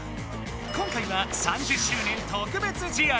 今回は「３０周年特別試合」。